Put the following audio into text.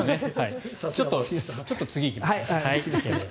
ちょっと次に行きますね。